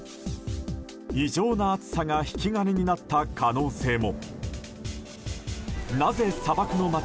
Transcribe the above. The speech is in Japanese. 異常な暑さが引き金になった可能性も。